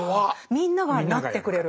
みんながなってくれる。